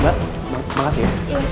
iya terima kasih